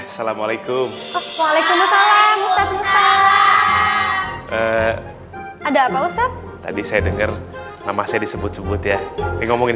selama alaikum vale musalam ada apa ndek tadi saya denger namanya disebut sebut ya ngomongin